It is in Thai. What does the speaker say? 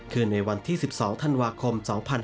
คือในวันที่๑๒ธันวาคม๒๕๖๒